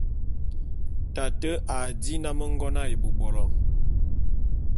Tate a dí nnám ngon ā ebôbolo.